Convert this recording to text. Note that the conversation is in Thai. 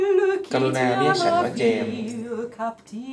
กรุณาเรียกฉันว่าเจมส์